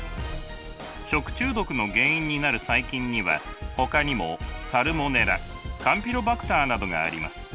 食中毒の原因になる細菌にはほかにもサルモネラカンピロバクターなどがあります。